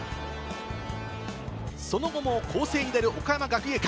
その後も攻勢に出る岡山学芸館。